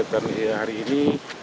pemilihan dari ini